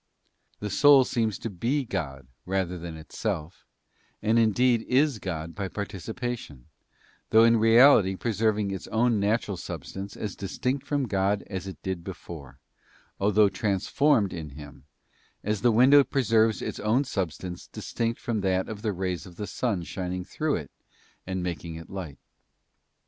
The soul seems to be God rather than itself, and indeed is God by participation, though in reality preserving its own natural substance as distinct from God as it did before, although transformed in Him, as the window preserves its own substance distinct from that of the rays of the sun shining through it and making it light.